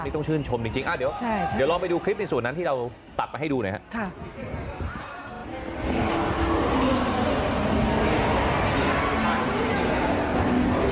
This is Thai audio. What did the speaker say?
นี่ต้องชื่นชมจริงเดี๋ยวลองไปดูคลิปในส่วนนั้นที่เราตัดไปให้ดูหน่อยครับ